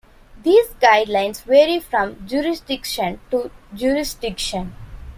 These guidelines vary from jurisdiction to jurisdiction.